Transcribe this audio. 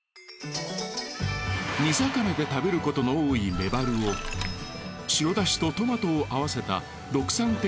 煮魚で食べることの多いメバルを白だしとトマトを合わせたろくさん亭